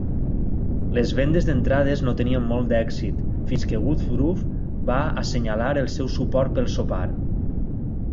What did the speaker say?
Les vendes d'entrades no tenien molt èxit, fins que Woodruff va assenyalar el seu suport pel sopar.